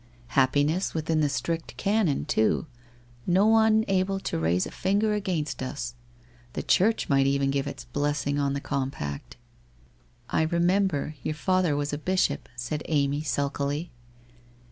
Happi ness within the strict canon too — no one able to raise a finger against us! The Church might even give its blessing on the compact/ WHITE ROSE OF WEARY LEAF 215 ' I remember, your father was a bishop,' said Amy sulkily.